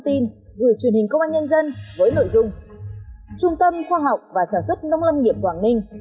tin gửi truyền hình công an nhân dân với nội dung trung tâm khoa học và sản xuất nông lâm nghiệp quảng ninh